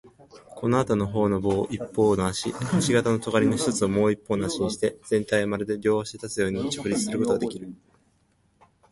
このあとのほうの棒を一方の足、星形のとがりの一つをもう一方の足にして、全体はまるで両足で立つように直立することができる。